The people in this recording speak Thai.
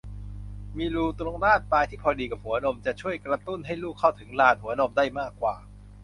มีรูตรงด้านปลายที่พอดีกับหัวนม จะช่วยกระตุ้นให้ลูกเข้าถึงลานหัวนมได้มากกว่า